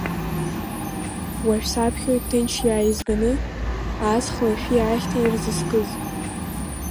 Уажә саԥхьоит ҭынч иааизганы, аҵх лашәи ахьҭеи ирзыскыз.